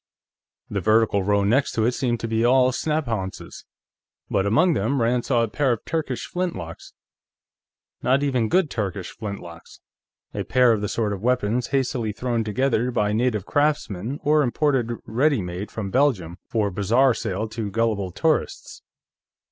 The vertical row next to it seemed to be all snaphaunces, but among them Rand saw a pair of Turkish flintlocks. Not even good Turkish flintlocks; a pair of the sort of weapons hastily thrown together by native craftsmen or imported ready made from Belgium for bazaar sale to gullible tourists.